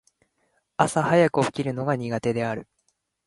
朝早く起きるのが苦手である。